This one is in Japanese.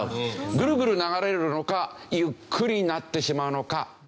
ぐるぐる流れるのかゆっくりになってしまうのか。